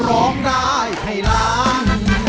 ร้องได้ให้ล้าน